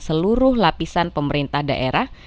seluruh lapisan pemerintah daerah